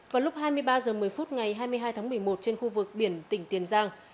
vào lúc hai mươi ba h một mươi phút ngày hai mươi hai tháng một mươi một trên khu vực biển tỉnh tiền giang